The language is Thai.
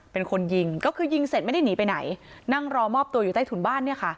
เป็นคนยิงก็คือยิงเสร็จไม่ได้หนีไปไหนนั่งรอมอบตัวอยู่ใต้ถุนบ้านเนี่ยค่ะ